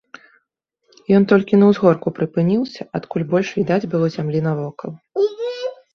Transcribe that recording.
Ён толькі на ўзгорку прыпыніўся, адкуль больш відаць было зямлі навокал.